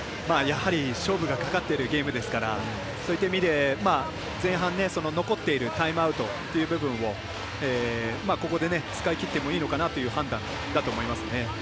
やはり勝負がかかってるゲームですからそういった意味で前半残っているタイムアウトという部分をここで使い切ってもいいのかなという判断だと思いますね。